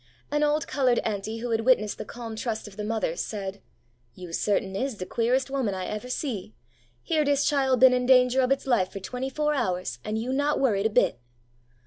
An old coloured auntie who had witnessed the calm trust of the mother said, 'You certain is de queeres' woman I ever see ! Here dis chile been in danger ob its life for twenty four hours, and you not worried a bit